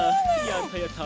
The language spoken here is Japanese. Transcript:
やったやった。